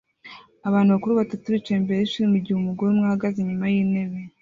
Abantu bakuru batatu bicaye imbere yishuri mugihe umugore umwe ahagaze inyuma yintebe